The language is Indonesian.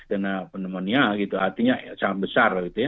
pneumonia artinya sangat besar